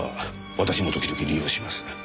私も時々利用します。